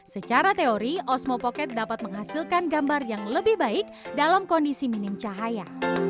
secara teori osmo pocket dapat menghasilkan gambar yang lebih baik dalam kondisi minim cahaya